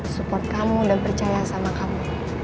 support kamu dan percaya sama kamu